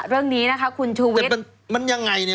เรื่องนี้คุณธูวิทมันยังไงนี่